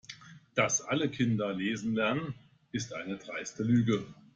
Dass alle Kinder lesen lernen, ist eine dreiste Lüge.